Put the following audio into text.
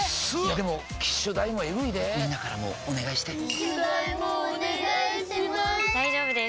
でも機種代もエグいでぇみんなからもお願いして機種代もお願いします